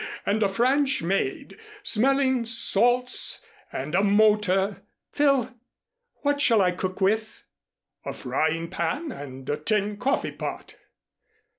"Oh, yes, and a French maid, smelling salts and a motor " "Phil! What shall I cook with?" "A frying pan and a tin coffeepot."